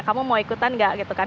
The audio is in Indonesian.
kamu mau ikutan gak gitu kan